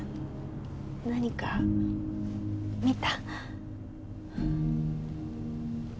何か見た？